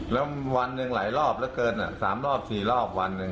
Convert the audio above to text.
แล้ววันหนึ่งไหลรอบแล้วเกิน๓๔รอบวันหนึ่ง